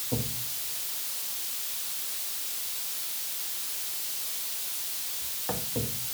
Ur d-tteqqal war isalan.